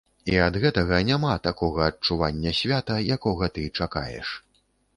І ад гэтага няма такога адчування свята, якога ты чакаеш.